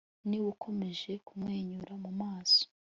niba ukomeje kumwenyura mu maso